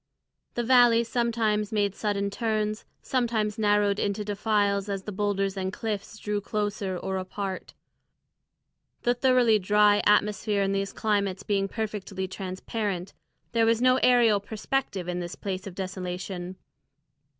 The valley sometimes made sudden turns, sometimes narrowed into defiles as the boulders and cliffs drew closer or apart. The thoroughly dry atmosphere in these climates being perfectly transparent, there was no aerial perspective in this place of desolation.